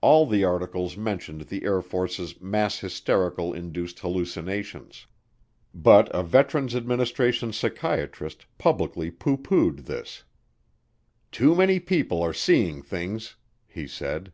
All the articles mentioned the Air Force's mass hysterical induced hallucinations. But a Veterans' Administration psychiatrist publicly pooh poohed this. "Too many people are seeing things," he said.